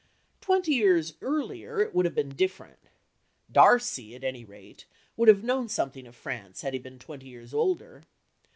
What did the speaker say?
Twenty years earlier it would have been different. Darcy at any rate would have known something of France had he been twenty years older.